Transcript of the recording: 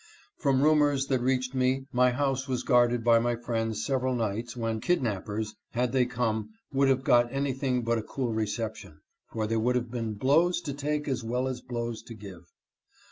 From rumors that reached me my house was guarded by my friends several nights, when kidnappers, had they come, would have got any thing but a cool reception, for there would have been " blows to take as well as blows to give."